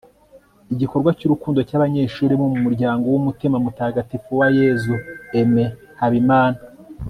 igikorwa ry'urukundo cy'abanyeshuli bo mu muryango w'umutima mutagatifu wa yezu aimé habimana